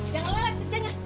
jangan lelah liat kerjanya